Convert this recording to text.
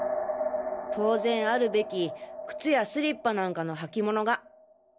当然あるべき靴やスリッパなんかの履き物が！